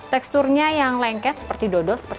teksturnya yang lengket seperti dodol seperti